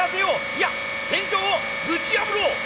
いや天井をぶち破ろう！